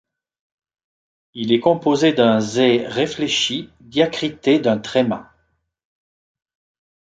Il est composé d’un zé réfléchi diacrité d’un tréma.